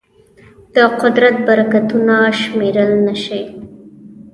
د قدرت برکتونه شمېرل نهشي.